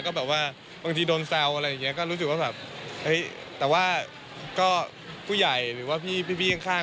ก็แบบว่าบางทีโดนแซวอะไรอย่างนี้ก็รู้สึกว่าแบบเฮ้ยแต่ว่าก็ผู้ใหญ่หรือว่าพี่ข้าง